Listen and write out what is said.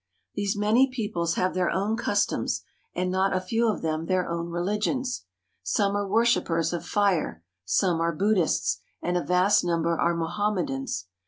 These many peoples have their own customs, and not a few of them their own religions. Some are worshipers of fire, some are Buddhists, and a vast number are Mohamme dans.